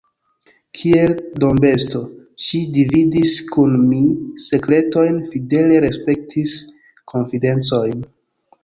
Kiel dombesto, ŝi dividis kun mi sekretojn, fidele respektis konfidencojn.